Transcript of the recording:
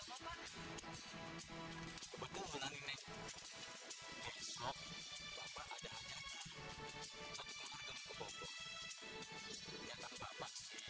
jadi tolong jangan ganggu fatimah lagi